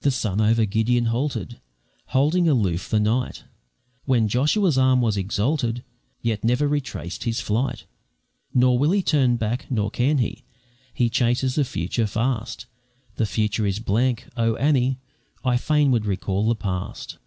The sun over Gideon halted, Holding aloof the night, When Joshua's arm was exalted, Yet never retraced his flight; Nor will he turn back, nor can he, He chases the future fast; The future is blank oh, Annie! I fain would recall the past.